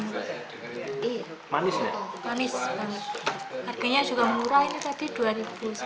manis banget harganya juga murah ini tadi rp dua sekitar